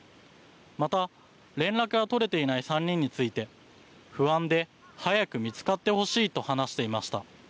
また連絡が取れていない３人について不安で早く見つかってほしいと話していました。